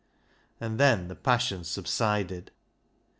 And then the passion subsided.